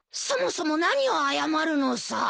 そもそも何を謝るのさ。